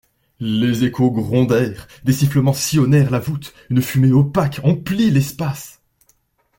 Les échos grondèrent, des sifflements sillonnèrent la voûte, une fumée opaque emplit l'espace.